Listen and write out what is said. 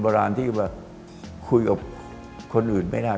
มีคนบรรที่ว่าคุยกับคนอื่นไม่ได้